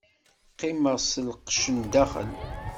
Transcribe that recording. Qqimeɣ s lqecc n daxel.